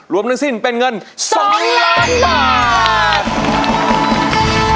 รวมทั้งสิ้นเป็นเงิน๒ล้านบาท